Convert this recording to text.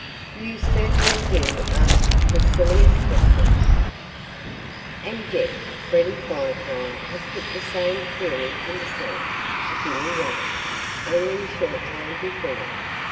You certainly do ask the silliest questions!" And yet Freddie Firefly had put the same query himself, to Jimmy Rabbit, only a short time before.